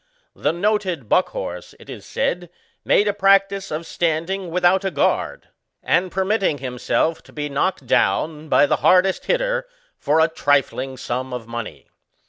The noted Buckhorse, it is said, made a practice of standing without a guard, and permitting himself to be knocked down by the hardest hitter, for a trifling sum of money.